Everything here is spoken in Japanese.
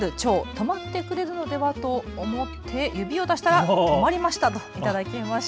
とまってくるのではと思って指を出したらとまりましたと頂きました。